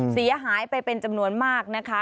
เสียหายไปเป็นจำนวนมากนะคะ